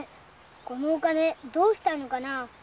このお金どうしたのかな？